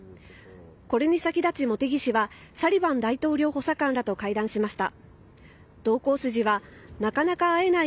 これに先立ち、茂木氏はサリバン大統領補佐官らと会談しました。